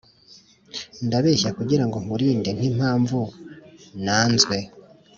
ndabeshya kugirango nkurinde nkimpamvu nanzwe,